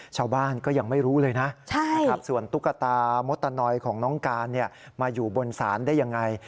ชาวบ้านก็ยังไม่รู้เลยนะส่วนตุ๊กตามดตะนอยของน้องการมาอยู่บนศาลได้ยังไง